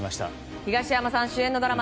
東山さん主演のドラマ